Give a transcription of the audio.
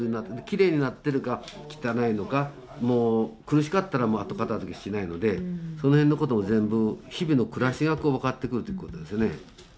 きれいになってるか汚いのかもう苦しかったらもう後片づけしないのでその辺のことも全部日々の暮らしが分かってくるということですよね。